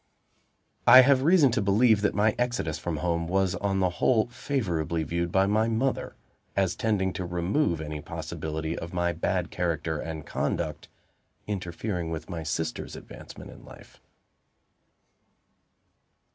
I have reason to believe that my exodus from home was, on the whole, favorably viewed by my mother, as tending to remove any possibility of my bad character and conduct interfering with my sister's advancement in life.